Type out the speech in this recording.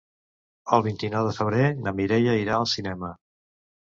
El vint-i-nou de febrer na Mireia irà al cinema.